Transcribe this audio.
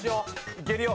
いけるよ。